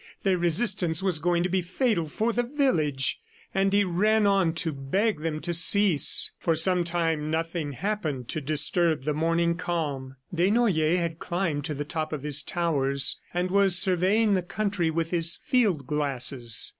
Their resistance was going to be fatal for the village, and he ran on to beg them to cease. For some time nothing happened to disturb the morning calm. Desnoyers had climbed to the top of his towers and was surveying the country with his field glasses.